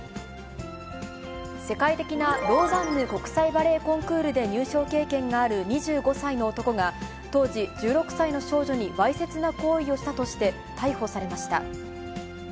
世界的なローザンヌ国際バレエコンクールで入賞経験がある２５歳の男が、当時、１６歳の少女にわいせつな行為をしたとして、逮捕されました。